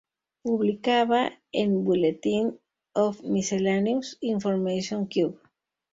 Publicaba en Bulletin of Miscellaneous Information Kew.